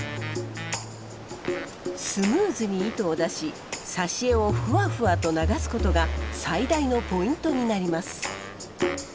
スムーズに糸を出し刺し餌をふわふわと流すことが最大のポイントになります。